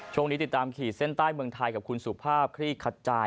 ช่วงนี้ติดตามขีดเส้นใต้เมืองไทยกับคุณสุภาพคลีกขัดจาย